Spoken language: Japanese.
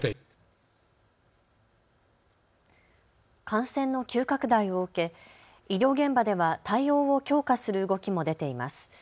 感染の急拡大を受け医療現場では対応を強化する動きも出ています。